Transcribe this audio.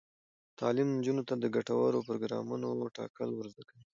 تعلیم نجونو ته د ګټورو پروګرامونو ټاکل ور زده کوي.